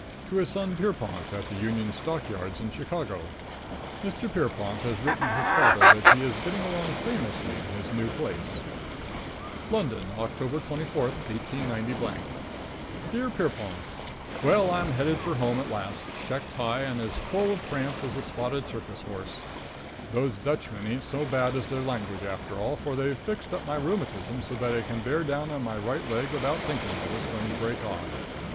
to his son, || Pierrepont, at the Union || Stock Yards in Chicago. || Mr. Pierrepont has || written his father that || he is getting along || famously in his new || place. |++ XVII LONDON, October 24, 189 Dear Pierrepont: Well, I'm headed for home at last, checked high and as full of prance as a spotted circus horse. Those Dutchmen ain't so bad as their language, after all, for they've fixed up my rheumatism so that I can bear down on my right leg without thinking that it's going to break off.